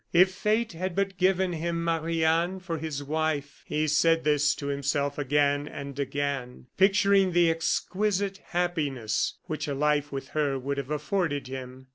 If fate had but given him Marie Anne for his wife! He said this to himself again and again, picturing the exquisite happiness which a life with her would have afforded him.